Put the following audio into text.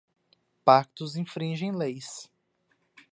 Pactos infringem leis.